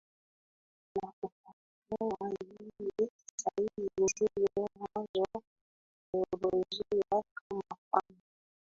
na kufafanua imani sahihi ndiyo mwanzo wa teolojia kama fani